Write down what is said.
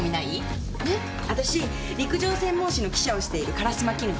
私陸上専門誌の記者をしている烏丸絹子。